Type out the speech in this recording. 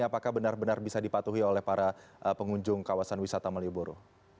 apakah benar benar bisa dipatuhi oleh para pengunjung kawasan wisata malioboro